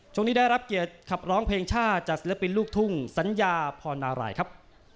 ได้รับเกียรติขับร้องเพลงชาติจากศิลปินลูกทุ่งสัญญาพรนารายครับ